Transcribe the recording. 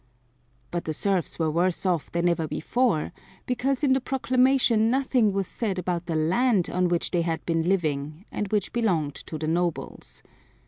But the serfs were worse off than ever before, because in the proclamation nothing was said about the land on which they had been living and which belonged to the nobles.